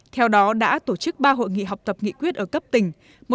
theo đó đã tổ chức ba hội nghị học tập nghị quyết ở cấp tỉnh